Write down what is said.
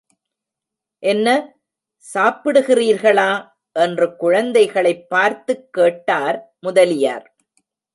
என்ன, சாப்பிடுகிறீர்களா? என்று குழந்தைகளைப் பார்த்துக் கேட்டார் முதலியார்.